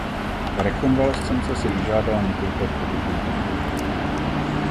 Rekonvalescence si vyžádala několik let pobytu na venkově.